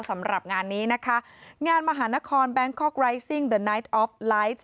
สำหรับงานนี้นะคะงานมหานครแบงคกไลท์ซิงด์นายท์ออฟล์ไลท์